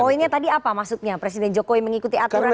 poinnya tadi apa maksudnya presiden jokowi mengikuti aturan ini